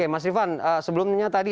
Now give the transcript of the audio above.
mas rifan sebelumnya tadi